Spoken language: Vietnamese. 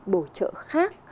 bộ trợ khác